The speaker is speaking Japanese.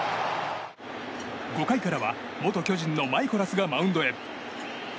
５回からは元巨人のマイコラスがマウンドへ。